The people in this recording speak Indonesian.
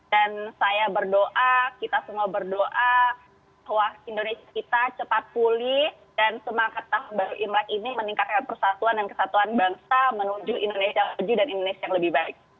dan saya berdoa kita semua berdoa bahwa indonesia kita cepat pulih dan semangat tahun baru imlek ini meningkatkan persatuan dan kesatuan bangsa menuju indonesia yang lebih baik